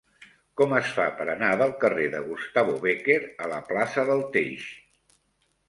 Com es fa per anar del carrer de Gustavo Bécquer a la plaça del Teix?